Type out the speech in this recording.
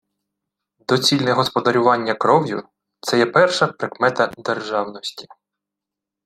Доцільне господарювання кров'ю — це є перша прикмета державності…